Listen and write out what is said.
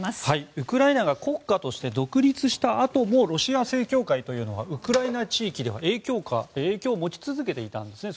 ウクライナが国家として独立したあともロシア正教会というのはウクライナ地域では影響を持ち続けていたんですね。